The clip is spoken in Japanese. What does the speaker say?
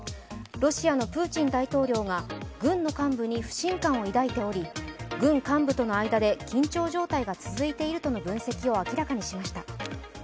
ロシアのプーチン大統領が軍の幹部に不信感を抱いており軍幹部との間で緊張状態が続いているとの分析を明らかにしました。